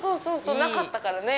なかったからね。